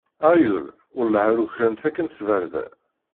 Aɣyul? Welleh ar ukren-t akken s tbarda!